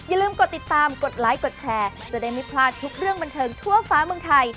อย่าลืมกดติดตามกดไลค์กดแชร์จะได้ไม่พลาดทุกเรื่องบันเทิงทั่วฟ้าเมืองไทย